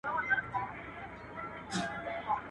o اوگره ځيني توى سوه، ده ول په نصيب مي نه وه.